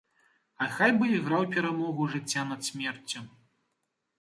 А хай бы іграў перамогу жыцця над смерцю!